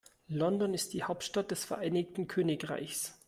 London ist die Hauptstadt des Vereinigten Königreichs.